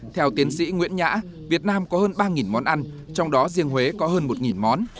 theo tiến sĩ nguyễn nhã việt nam có hơn ba món ăn trong đó riêng huế có hơn một món